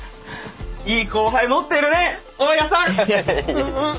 いい後輩もってるね大家さん！